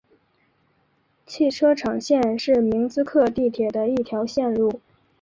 汽车厂线是明斯克地铁的一条路线。